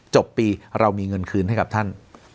จบปีเรามีเงินคืนให้กับท่าน